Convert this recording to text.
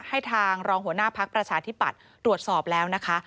ให้ทางรองหัวหน้าพักประชาธิปัตย์ตรวจสอบแล้วนะคะ